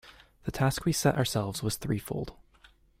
The task we set ourselves was threefold.